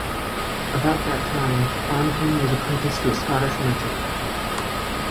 About that time, Oncken was apprenticed to a Scottish merchant.